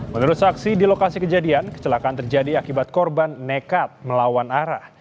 menurut saksi di lokasi kejadian kecelakaan terjadi akibat korban nekat melawan arah